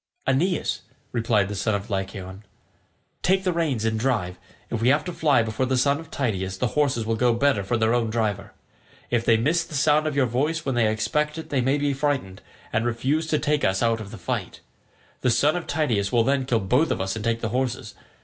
"Aeneas," replied the son of Lycaon, "take the reins and drive; if we have to fly before the son of Tydeus the horses will go better for their own driver. If they miss the sound of your voice when they expect it they may be frightened, and refuse to take us out of the fight. The son of Tydeus will then kill both of us and take the horses.